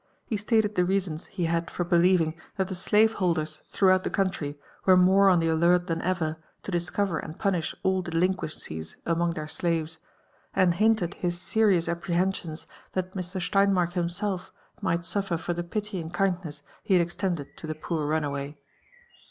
Ue slated the reasons be had for believing that the slave holders throughout the country were more on the alert then ever to discover and punish all delin quencies among their slaves, and hinted his serious apprehensions that 130 LIFB AND ADVENTURES OF Mr. Sfeinmark himself might suffer for the pitying kindness he had extended to the poor runaway.